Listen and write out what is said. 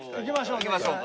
行きましょうか。